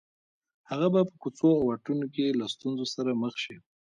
هغه به په کوڅو او واټونو کې له ستونزو سره مخ شي